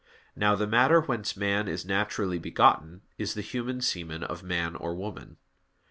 Now the matter whence man is naturally begotten is the human semen of man or woman.